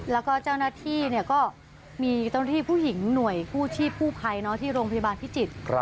แล้วก็เจ้าหน้าที่ก็มีเจ้าหน้าที่ผู้หญิงหน่วยกู้ชีพกู้ภัยที่โรงพยาบาลพิจิตร